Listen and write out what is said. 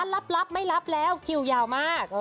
รับไม่รับแล้วคิวยาวมาก